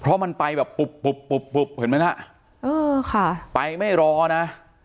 เพราะมันไปแบบปุ๊บปุ๊บปุ๊บเห็นไหมน่ะเออค่ะไปไม่รอนะ